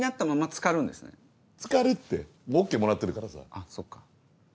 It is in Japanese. あっそっか。